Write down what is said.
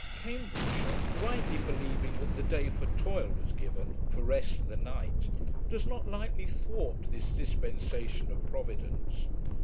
Cambridgeshire, rightly believing that the day for toil was given, for rest the night, does not lightly thwart this dispensation of Providence.